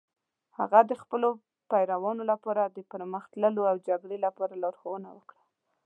هغه د خپلو پیروانو لپاره د پرمخ تللو او جګړې لپاره لارښوونه وکړه.